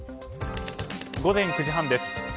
午前９時半です。